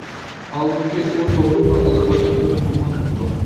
ھالبۇكى، ئۇ تۇغۇلۇپلا ئاللىقاچان ئۆلۈپ بولغان بولىدۇ.